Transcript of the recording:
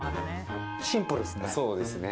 シンプルですね。